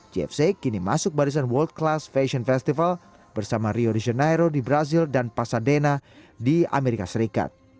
jfc kini masuk barisan world class fashion festival bersama rio riza nairo di brazil dan pasadena di amerika serikat